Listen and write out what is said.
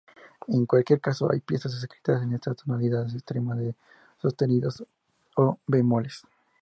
En cualquier caso, hay piezas escritas en estas tonalidades extremas de sostenidos o bemoles.